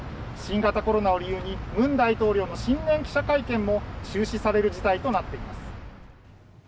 新型コロナを理由に文大統領の新年記者会見も中止される事態となっています。